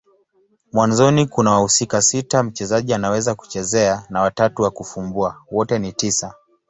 Mwanzoni kuna wahusika sita mchezaji anaweza kuchezea na watatu wa kufumbua. Wote ni tisa.